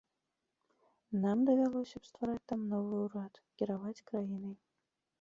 Нам давялося б ствараць там новы ўрад, кіраваць краінай.